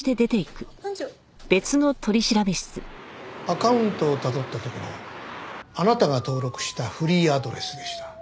アカウントをたどったところあなたが登録したフリーアドレスでした。